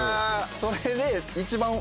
それで。